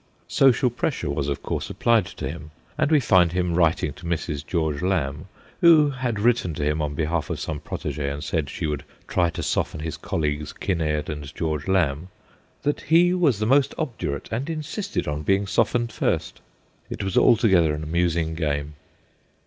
Social pressure was of course applied to him, and we find him writing to Mrs. George Lamb, who had written to him on behalf of some protege, and said she would ' try to soften ' his colleagues, Kinnaird and George Lamb, that he was the most obdurate, and insisted on being softened first. It was altogether an amusing game.